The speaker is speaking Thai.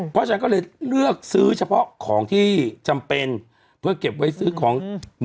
เพราะฉะนั้นก็เลยเลือกซื้อเฉพาะของที่จำเป็นเพื่อเก็บไว้ซื้อของ